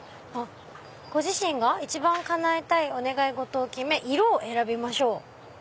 「ご自身が一番叶えたいお願い事を決め色を選びましょう」。